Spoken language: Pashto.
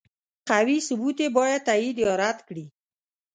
قوي ثبوت یې باید تایید یا رد کړي.